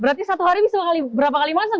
berarti satu hari bisa berapa kali masak